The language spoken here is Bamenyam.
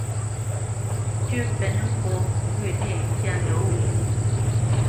Tʉ́ mbenə́ ŋkɔ̌ ghyə̂lyê ŋkyâ nəwô.